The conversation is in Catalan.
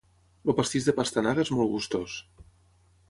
El pastís de pastanaga és molt gustós.